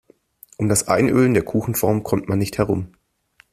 Um das Einölen der Kuchenform kommt man nicht herum.